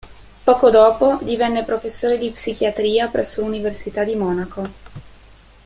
Poco dopo, divenne professore di psichiatria presso l'Università di Monaco.